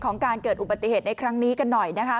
การเกิดอุบัติเหตุในครั้งนี้กันหน่อยนะคะ